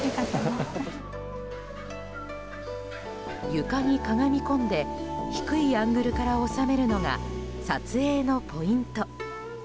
床にかがみこんで低いアングルから収めるのが撮影のポイント。